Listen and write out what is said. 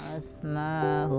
tidak ingin menjadi seorang hafiz